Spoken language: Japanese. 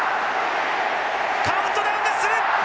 カウントダウンが進む！